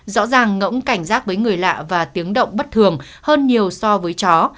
rõ ràng ngẫu cảnh giác với người lạ và tiếng động bất thường hơn nhiều so với chó